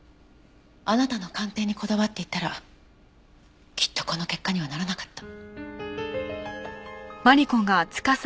あなたの鑑定にこだわっていたらきっとこの結果にはならなかった。